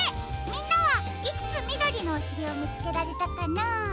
みんなはいくつみどりのおしりをみつけられたかな？